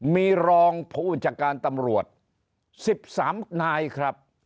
มีรองผู้บัญชาการตำรวจ๑๓นายครับ